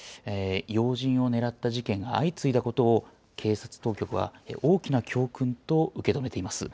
要人をねらった事件が相次いだことを警察当局は大きな教訓と受け止めています。